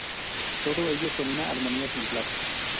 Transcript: Todo ello con una armonía ejemplar.